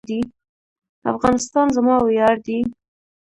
افغانستان زما ویاړ دی